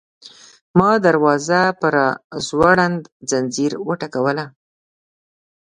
ما دروازه په راځوړند ځنځیر وټکوله.